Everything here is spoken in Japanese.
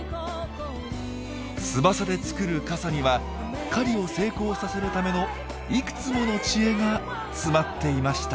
翼で作る傘には狩りを成功させるためのいくつもの知恵が詰まっていました。